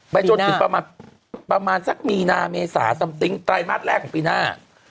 จนถึงประมาณสักมีนาเมษาซัมติ๊งไตรมาสแรกของปีหน้า